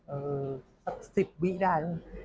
เอ่อสักสิบวิได้